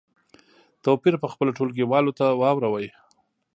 توپیر په خپلو ټولګیوالو ته واوروئ.